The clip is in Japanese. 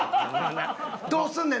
どうすんねん？